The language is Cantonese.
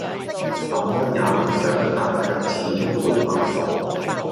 什麼也很想但卻始終沒行動